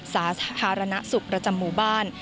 สาธารณสุขประจำหมู่บ้าน